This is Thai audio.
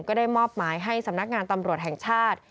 ก็ได้มอบหมายให้สำนักงานตำรวจแห่งชาติ